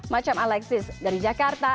macam alexis dari jakarta